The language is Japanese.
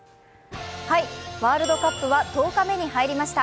ワールドカップは１０日目に入りました。